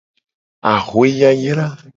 Axwe yayra.